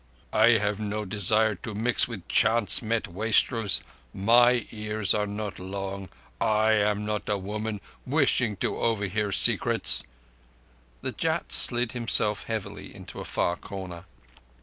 "Humph! I have no desire to mix with chance met wastrels. My ears are not long. I am not a woman wishing to overhear secrets." The Jat slid himself heavily into a far corner.